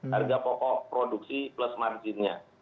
harga pokok produksi plus marginnya